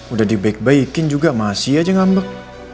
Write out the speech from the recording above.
udah di baik baikin juga masih aja ngambek